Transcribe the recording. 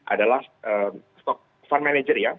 adalah stok fund manager ya